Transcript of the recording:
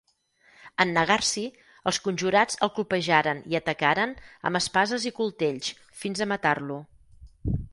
En negar-s'hi, els conjurats el colpejaren i atacaren amb espases i coltells, fins a matar-lo.